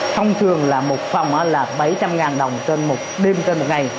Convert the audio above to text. thông thường là một phòng là bảy trăm linh đồng trên một đêm trên một ngày